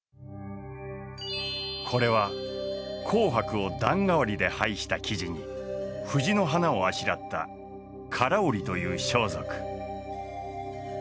これは紅白を段替わりで配した生地に藤の花をあしらった唐織という装束。